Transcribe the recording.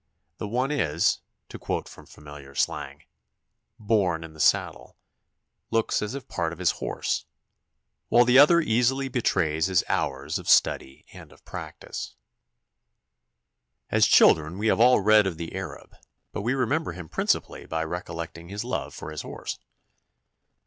The one is, to quote from familiar slang, "born in the saddle," "looks as if part of his horse," while the other easily betrays his hours of study and of practice. [Illustration: NIP AND TUCK.] As children we have all read of the Arab, but we remember him principally by recollecting his love for his horse.